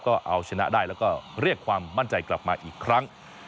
ก็เอาชนะได้แล้วก็เรียกความมั่นใจกลับมาอีกครั้ง